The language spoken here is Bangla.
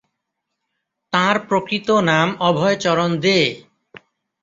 তাঁর প্রকৃত নাম অভয়চরণ দে।